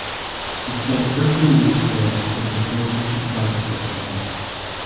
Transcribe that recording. He spent thirteen weeks there and was promoted to Private First Class.